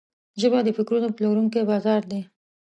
ژبه د فکرونو پلورونکی بازار ده